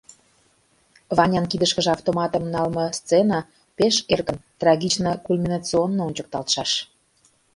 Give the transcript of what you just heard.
Ванян кидышкыже автоматым налме сцена пеш эркын, трагично-кульминационно ончыкталтшаш.